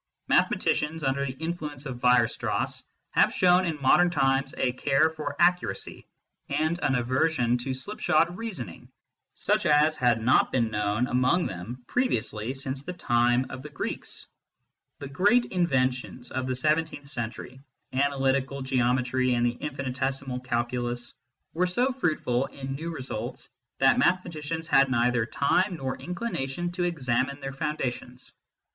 Mathematicians, under the influence of Weierstrass, have shown in modern times a care for accuracy, and an aversion to slipshod reasoning, such as had not been known among them previously since the time of the Greeks. The great inventions of the seventeenth century Analytical Geometry and the Infinitesimal Calculus were so fruitful in new results that mathe maticians had neither time nor inclination to examine their foundations.